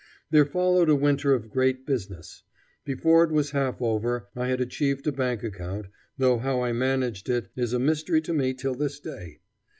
There followed a winter of great business. Before it was half over I had achieved a bank account, though how I managed it is a mystery to me till this day.